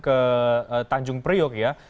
ke tanjung priok ya